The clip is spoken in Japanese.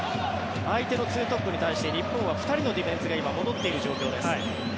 相手の２トップに対して日本は２人のディフェンスが今、戻っている状況です。